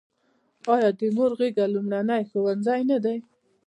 آیا د مور غیږه لومړنی ښوونځی نه دی؟